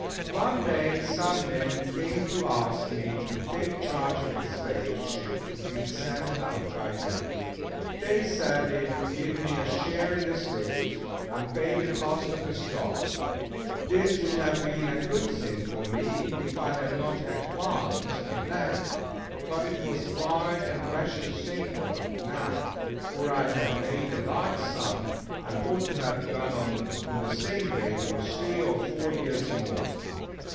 One day some men came to ask me to take charge of a slave ship to be sent out by them. They said they would give me a share in the slaves, and pay the cost of the stock. This would have been a good thing for me if I had not had farms and land; but it was wild and rash to think of it now, for I had made a large sum, and ought to have gone on in the same way for three or four years more.